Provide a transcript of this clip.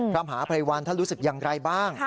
พระมหาภัยวันท่านรู้สึกอย่างไรบ้าง